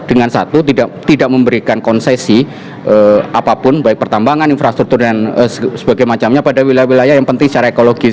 dengan satu tidak memberikan konsesi apapun baik pertambangan infrastruktur dan sebagainya pada wilayah wilayah yang penting secara ekologis